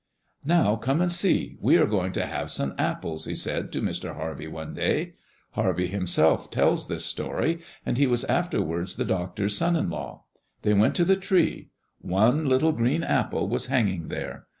"Now come and see. We are going to have some apples," he said to Mr. Harvey one day. Harvey himself tells this story, and he was afterwards the doctor's son in law. They went to the tree. One little green apple was hanging there.